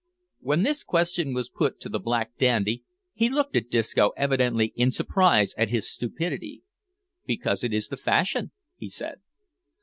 When this question was put to the black dandy, he looked at Disco evidently in surprise at his stupidity. "Because it is the fashion," he said.